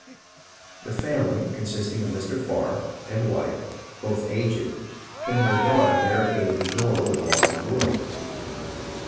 The family, consisting of Mr. P'arr and wife, both aged, and their daughter, barricaded the door with logs of wood.